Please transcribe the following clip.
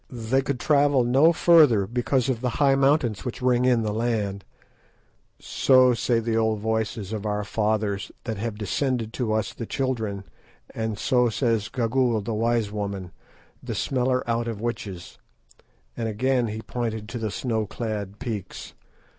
"They could travel no further because of the high mountains which ring in the land, so say the old voices of our fathers that have descended to us the children, and so says Gagool, the wise woman, the smeller out of witches," and again he pointed to the snow clad peaks.